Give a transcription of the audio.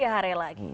tiga hari lagi